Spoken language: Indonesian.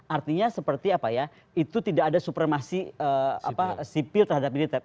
artinya seperti apa ya itu tidak ada supremasi sipil terhadap militer